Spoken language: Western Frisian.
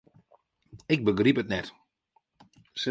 Ik begryp it net.